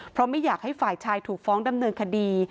เพราะไม่อยากให้ฝ่ายชายถูกฟ้องดำเนินคดี